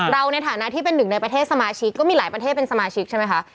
ในฐานะที่เป็นหนึ่งในประเทศสมาชิกก็มีหลายประเทศเป็นสมาชิกใช่ไหมคะ